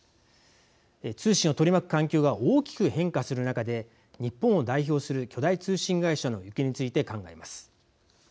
通信を取り巻く環境が大きく変化する中で日本を代表する巨大通信会社の行方について考えます。